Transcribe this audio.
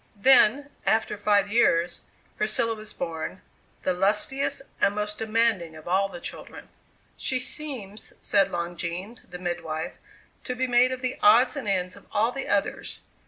Then, after five years, Priscilla was born, the lustiest and most demanding of all the children. "She seems," said Long Jean, the midwife, "to be made of the odds and ends of all the others.